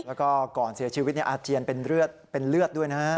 แล้วก็ก่อนเสียชีวิตอาเจียนเป็นเลือดด้วยนะฮะ